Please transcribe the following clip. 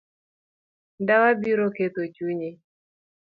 Ndawa biro ketho chunyi.